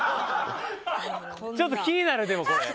ちょっと気になるでもこれ。